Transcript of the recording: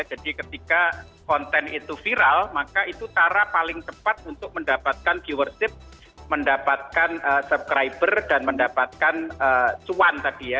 jadi ketika konten itu viral maka itu cara paling tepat untuk mendapatkan viewership mendapatkan subscriber dan mendapatkan secuan tadi ya